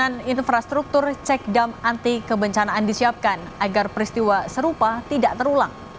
pembangunan infrastruktur cekdam anti kebencanaan disiapkan agar peristiwa serupa tidak terulang